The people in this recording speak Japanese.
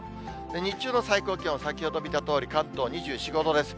日中の最高気温、先ほど見たとおり、関東２４、５度です。